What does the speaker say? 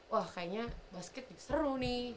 wah kayaknya basket seru nih